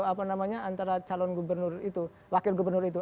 apa namanya antara calon gubernur itu wakil gubernur itu